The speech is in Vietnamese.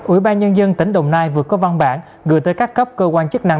ủy ban nhân dân tỉnh đồng nai vừa có văn bản gửi tới các cấp cơ quan chức năng